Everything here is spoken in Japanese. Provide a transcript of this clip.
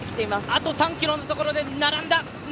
あと３ｋｍのところで並んだ！